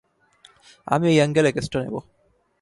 আমি এই অ্যাংগেলে কেসটা নেবো।